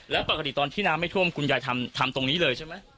แล้วปกติตอนที่น้ำไม่ท่วมคุณยายทำตรงนี้เลยใช่ไหม